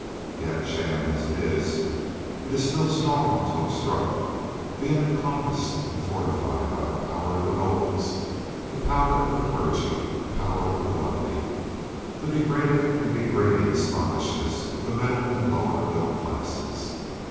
Yet, sham as it is, it is still strong to obstruct, being encompassed and fortified by the power of the nobles, the power of the clergy, the power of the wealthy, the degraded and degrading snobbishness of the middle and lower middle classes.